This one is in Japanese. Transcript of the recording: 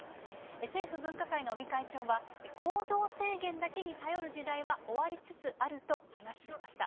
政府分科会の尾身会長は、行動制限だけに頼る時代は終わりつつあると話していました。